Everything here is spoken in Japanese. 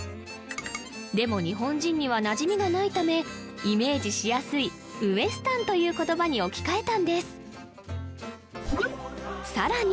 でも日本人にはなじみがないためイメージしやすいウエスタンという言葉に置き換えたんですさらに